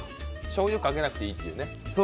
しょうゆかけなくていいっていう。